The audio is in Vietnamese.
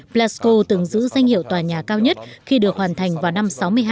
blasco từng giữ danh hiệu tòa nhà cao nhất khi được hoàn thành vào năm một nghìn chín trăm sáu mươi hai